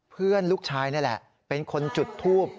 เพื่อนลูกชายนี่แหละเป็นคนจุดทูบ